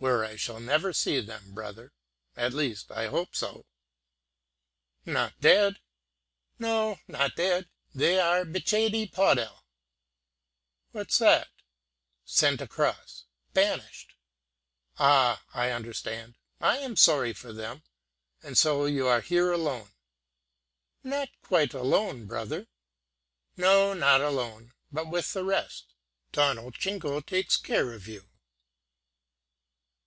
"Where I shall never see them, brother; at least, I hope so." "Not dead?" "No, not dead; they are bitchadey pawdel." "What's that?" "Sent across banished." "Ah! I understand; I am sorry for them. And so you are here alone?" "Not quite alone, brother." "No, not alone; but with the rest Tawno Chikno takes care of you."